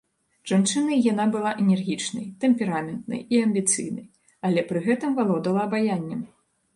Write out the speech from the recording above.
Жанчынай яна была энергічнай, тэмпераментнай і амбіцыйнай, але пры гэтым валодала абаяннем.